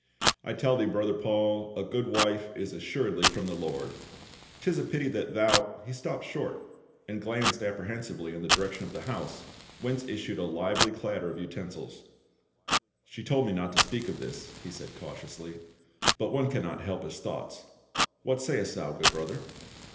" I tell thee, brother Paul, a good wife is assuredly from the Lord ; 'tis a pity that thou —" He stopped short, and glanced apprehensively in the direction of the house, whence 342 PA UL. issued a lively clatter of utensils. " She told me not to speak of this," he said cautiously, " but one cannot help his thoughts ; what sayst thou, good brother?"